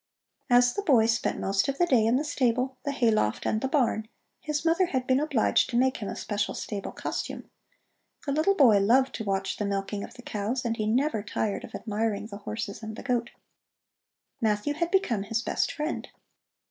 As the boy spent most of the day in the stable, the hayloft, and the barn, his mother had been obliged to make him a special stable costume. The little boy loved to watch the milking of the cows, and he never tired of admiring the horses and the goat. Matthew had become his best friend.